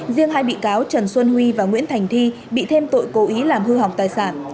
riêng hai bị cáo trần xuân huy và nguyễn thành thi bị thêm tội cố ý làm hư hỏng tài sản